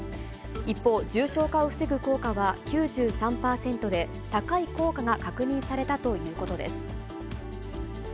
一方、重症化を防ぐ効果は９３％で、高い効果が確認されたということです。